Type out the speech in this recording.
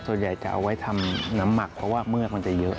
ส่วนใหญ่จะเอาไว้ทำน้ำหมักเพราะว่าเมื่อมันจะเยอะ